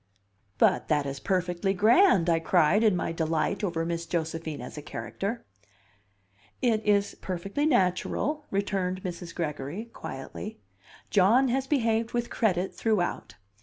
"But that is perfectly grand!" I cried in my delight over Miss Josephine as a character. "It is perfectly natural," returned Mrs. Gregory, quietly. "John has behaved with credit throughout.